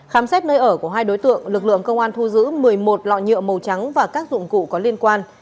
khám xét nơi ở của hai đối tượng lực lượng công an thu giữ một mươi một lọ nhựa màu trắng và các dụng cụ có liên quan